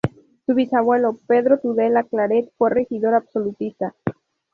Su bisabuelo Pedro Tudela Claret fue regidor absolutista.